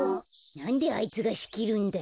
なんであいつがしきるんだよ。